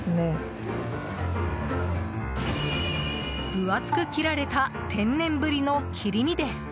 分厚く切られた天然ブリの切り身です。